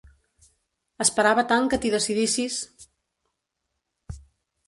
Esperava tant que t'hi decidissis!